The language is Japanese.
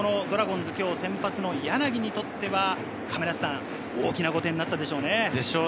ドラゴンズ、今日先発の柳にとっては、亀梨さん、大きな５点になったでしょうね。